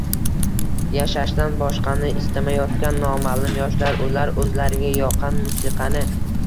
yashashdan boshqani istamayotgan noma’lum yoshlar: ular o‘zlariga yoqqan musiqani